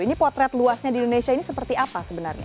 ini potret luasnya di indonesia ini seperti apa sebenarnya